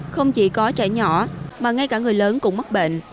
không chỉ có trẻ nhỏ mà ngay cả người lớn cũng mất bệnh